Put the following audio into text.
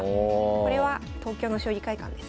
これは東京の将棋会館ですね。